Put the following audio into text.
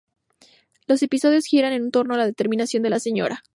Los episodios giran en torno a la determinación de la Sra.